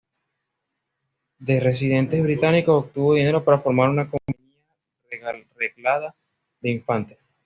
De residentes británicos obtuvo dinero para formar una compañía reglada de infantes.